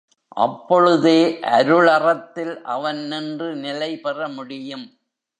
அப்பொழுதே அருளறத்தில் அவன் நின்று நிலைபெற முடியும்.